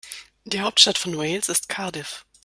Die Hauptstadt von Wales ist Cardiff.